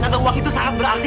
atau uang itu sangat berarti